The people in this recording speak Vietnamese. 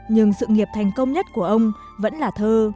nhưng sự nghiệp thành công nhất của ông vẫn là thơ